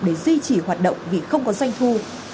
để duy trì hoạt động vì không có doanh thu